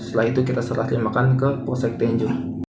setelah itu kita serahkan ke polsek tenjo